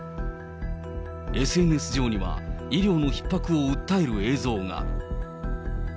ＳＮＳ上には医療のひっ迫を訴える映像が。